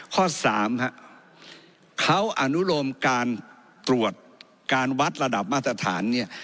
ข้อสามครับเขาอนุโลมการตรวจการวัดระดับมาตรฐานเนี่ย